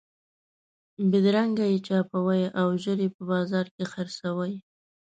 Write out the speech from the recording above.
بېدرنګه یې چاپوئ او ژر یې په بازار کې خرڅوئ.